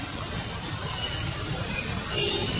kota yang terkenal dengan